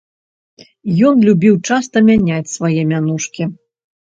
Ён любіў часта мяняць свае мянушкі.